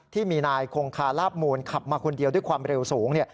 ที่มีนายคงคาลาบมูลขับมาคนเดียวด้วยความเร็วสูง